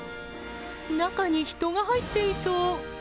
中に人が入っていそう。